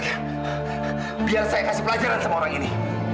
biar saya kasih pelajaran sama orang ini